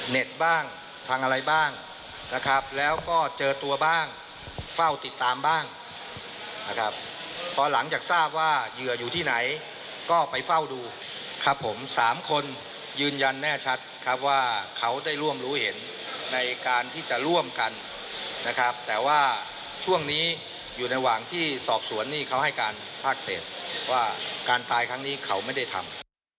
บ้างพังอะไรบ้างนะครับแล้วก็เจอตัวบ้างเฝ้าติดตามบ้างนะครับพอหลังจากทราบว่าเหยื่ออยู่ที่ไหนก็ไปเฝ้าดูครับผมสามคนยืนยันแน่ชัดครับว่าเขาได้ร่วมรู้เห็นในการที่จะร่วมกันนะครับแต่ว่าช่วงนี้อยู่ระหว่างที่สอบสวนนี่เขาให้การภาคเศษว่าการตายครั้งนี้เขาไม่ได้ทำ